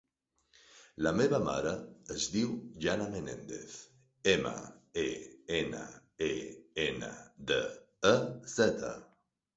La meva mare es diu Jana Menendez: ema, e, ena, e, ena, de, e, zeta.